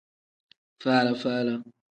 Faala-faala.